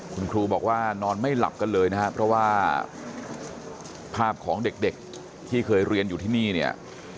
คุณครูบอกว่านอนไม่หลับกันเลยนะครับเพราะว่าภาพของเด็กที่เคยเรียนอยู่ที่นี่เนี่ย